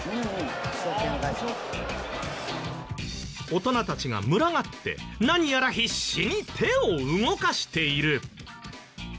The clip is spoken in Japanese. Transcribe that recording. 大人たちが群がって何やら必死に手を動かしている。